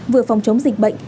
vừa phòng chống dịch bệnh